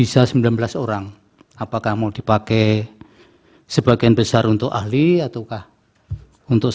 selaku pasangan calon nomor urut tiga